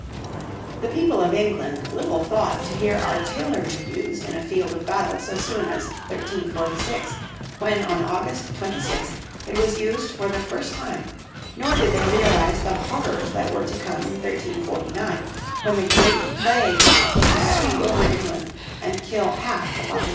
The people of England little thought to hear artillery used in a field of battle so soon as 1346, when on August 26 it was used for the first time, nor did they realize the horrors that were to come in 1349, when the Great Plague was to sweep over England and kill half the population.